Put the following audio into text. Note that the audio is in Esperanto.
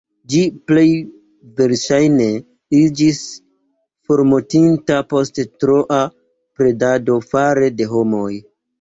Ĝi plej verŝajne iĝis formortinta post troa predado fare de homoj.